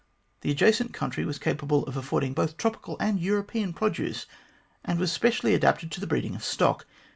The adjacent country was capable of affording both tropical and European produce, and was specially adapted to the breeding of stock.